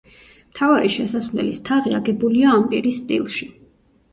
მთავარი შესასვლელის თაღი აგებულია ამპირის სტილში.